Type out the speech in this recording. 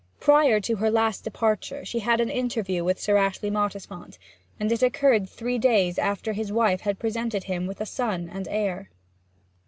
Prior to her last departure she had an interview with Sir Ashley Mottisfont, and it occurred three days after his wife had presented him with a son and heir.